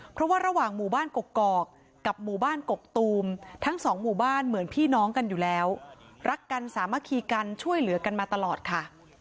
เพราะว่าระหว่างหมู่บ้านกกอกกับหมู่บ้านกกตูมทั้งสองหมู่บ้านเหมือนพี่น้องกันอยู่แล้วรักกันสามัคคีกันช่วยเหลือกันมาตลอดค่ะ